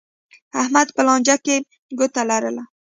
احمد په لانجه کې ګوته لرله.